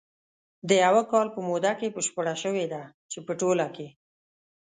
د یوه کال په موده کې بشپره شوې ده، چې په ټوله کې